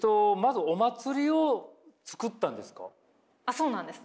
そうなんです。